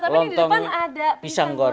langsung ngiler tapi ini di depan ada pisang goreng